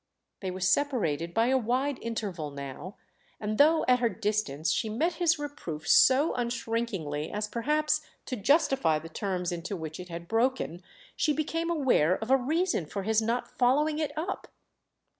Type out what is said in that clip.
They were separated by a wide interval now, and though at her distance she met his reproof so unshrinkingly as perhaps to justify the terms into which it had broken, she became aware of a reason for his not following it up.